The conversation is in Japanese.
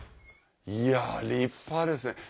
いや立派ですね。